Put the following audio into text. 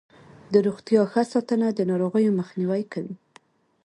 د روغتیا ښه ساتنه د ناروغیو مخنیوی کوي.